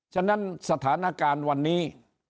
ฉะนั้นสถานการณ์วันนี้